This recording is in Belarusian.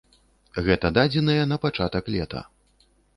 Гэта дадзеныя на пачатак лета.